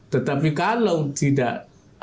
tetapi kalau tidak ada tidak ada yang halal